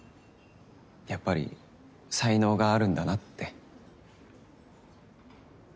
やっぱり才能があるんだなって。